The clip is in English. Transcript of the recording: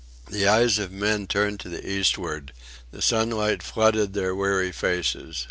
The eyes of men turned to the eastward. The sunlight flooded their weary faces.